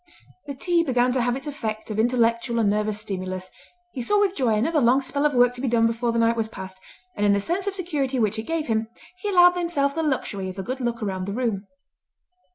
The tea began to have its effect of intellectual and nervous stimulus, he saw with joy another long spell of work to be done before the night was past, and in the sense of security which it gave him, he allowed himself the luxury of a good look round the room.